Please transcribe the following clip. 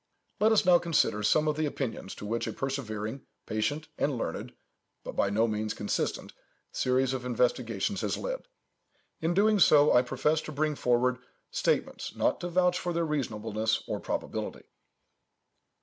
Let us now consider some of the opinions to which a persevering, patient, and learned—but by no means consistent—series of investigations has led. In doing so, I profess to bring forward statements, not to vouch for their reasonableness or probability.